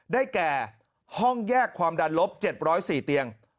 ได้แก่ห้องแยกความดันลบ๗๐๔เตียง